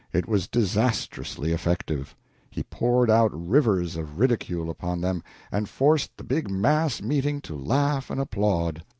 It was disastrously effective. He poured out rivers of ridicule upon them, and forced the big mass meeting to laugh and applaud.